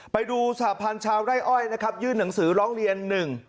ไปดูสหพันธ์ชาวไร่อ้อยนะครับยื่นหนังสือร้องเรียนหนึ่ง